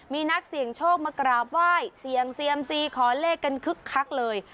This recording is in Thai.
มีนักเสี่ยงโชคมากราบไหว้เสี่ยงเซียมซีขอเลขกันคึกคักเลย